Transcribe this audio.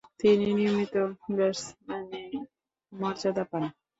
তিনি নিয়মিত ব্যাটসম্যানের মর্যাদা পান।